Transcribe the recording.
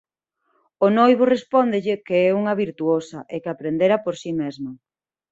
O noivo respóndelle que é unha virtuosa e que aprendera por si mesma.